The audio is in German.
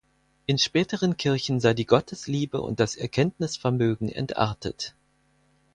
In späteren Kirchen sei die Gottesliebe und das Erkenntnisvermögen entartet.